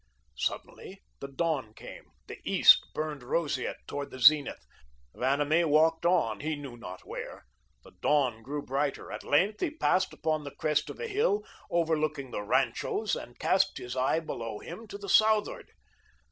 Suddenly, the dawn came; the east burned roseate toward the zenith. Vanamee walked on, he knew not where. The dawn grew brighter. At length, he paused upon the crest of a hill overlooking the ranchos, and cast his eye below him to the southward.